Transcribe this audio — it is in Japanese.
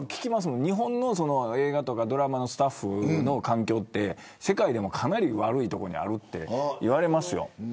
もん日本の映画ドラマのスタッフの環境って世界でもかなり悪いところにあるって言われますよ。